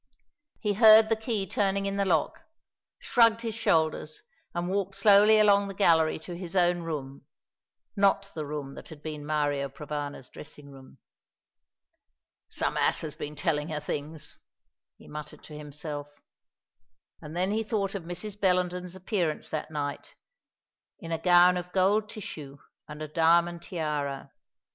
He heard the key turning in the lock, shrugged his shoulders, and walked slowly along the gallery to his own room, not the room that had been Mario Provana's dressing room. "Some ass has been telling her things," he muttered to himself. And then he thought of Mrs. Bellenden's appearance that night, in a gown of gold tissue, and a diamond tiara.